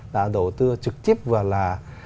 là đầu tư trực tiếp và là